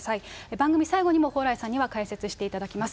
番組最後にも、蓬莱さんには解説していただきます。